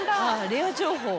レア情報。